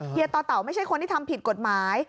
ต่อเต่าไม่ใช่คนที่ทำผิดกฎหมาย